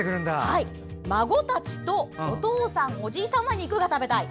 孫たちとお父さん、おじいさんは肉が食べたい。